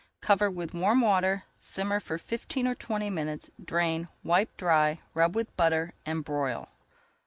Cover with warm water, simmer for fifteen or twenty minutes, drain, wipe dry, rub with butter, and broil.